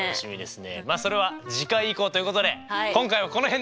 まあそれは次回以降ということで今回はこの辺で。